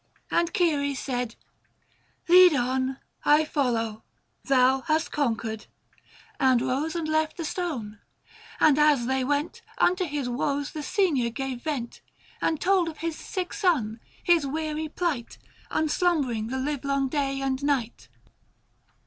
And Ceres said, "Lead on! I follow ; thou hast conquered." And rose and left the stone. And, as they went, 595 Unto his woes the senior gave vent, And told of his sick son, his weary plight, Unslumbering the livelong day and night.